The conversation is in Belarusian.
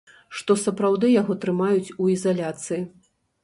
Што сапраўды яго трымаюць у ізаляцыі.